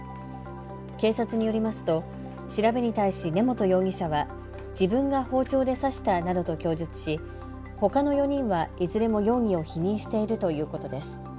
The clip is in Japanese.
警察によりますと調べに対し根本容疑者は自分が包丁で刺したなどと供述しほかの４人はいずれも容疑を否認しているということです。